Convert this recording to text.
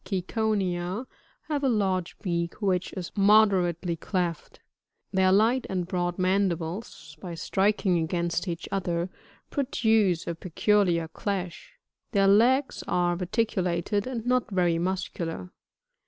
The /Storks properly so called, — Ciconia, — have a large beak which is moderately cleft ; their light and broad mandibles, by striking against each other, produce a peculiar clash. Their legs are reticulated and not very muscular.